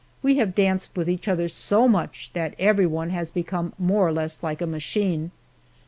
We have danced with each other so much that everyone has become more or less like a machine.